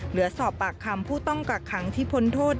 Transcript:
เหลือสอบปากคำผู้ต้องกักขังที่พ้นโทษ